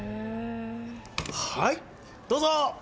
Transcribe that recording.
はいどうぞ！